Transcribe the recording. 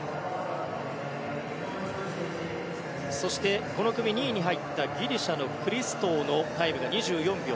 そしてこの組２位に入ったギリシャのクリストゥのタイムが２４秒３９。